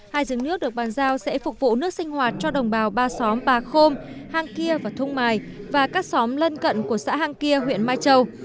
hai giếng nước được bàn giao sẽ phục vụ nước sinh hoạt cho đồng bào ba xóm bà khôm hang kia và thung mài và các xóm lân cận của xã hang kia huyện mai châu